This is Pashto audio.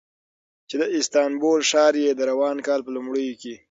چې د استانبول ښار یې د روان کال په لومړیو کې